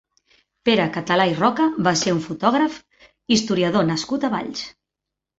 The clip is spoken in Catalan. Pere Català i Roca va ser un fotògraf, historiador nascut a Valls.